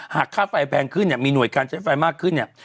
หากค่าไฟแพงขึ้นเนี่ยมีหน่วยการใช้ไฟมากขึ้นเนี่ย